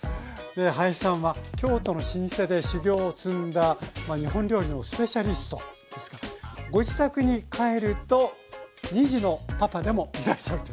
林さんは京都の老舗で修業を積んだ日本料理のスペシャリストですけどご自宅に帰ると２児のパパでもいらっしゃるという。